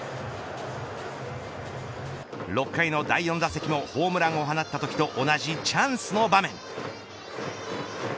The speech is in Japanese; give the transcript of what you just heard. ６回の第４打席もホームランを放ったときと同じチャンスの場面。